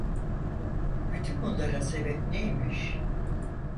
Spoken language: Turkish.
Bütün bunlara sebep neymiş?